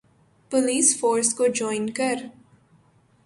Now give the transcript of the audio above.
police force کو join کر